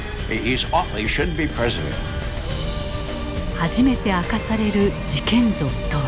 初めて明かされる事件像とは。